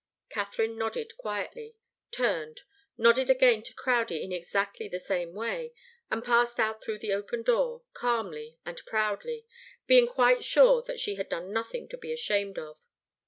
Katharine nodded quietly, turned, nodded again to Crowdie in exactly the same way, and passed out through the open door, calmly and proudly, being quite sure that she had done nothing to be ashamed of.